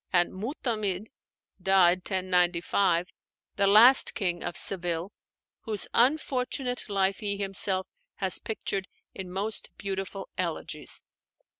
and Mu'tamid (died 1095), the last King of Seville, whose unfortunate life he himself has pictured in most beautiful elegies.